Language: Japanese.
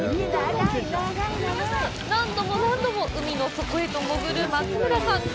何度も何度も海の底へと潜る松村さん。